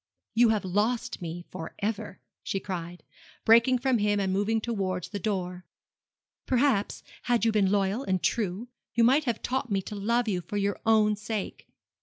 'You have lost me for ever,' she cried, breaking from him and moving towards the door; 'perhaps, had you been loyal and true, you might have taught me to love you for your own sake.